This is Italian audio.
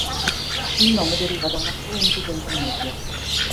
Il nome deriva da un affluente del Danubio.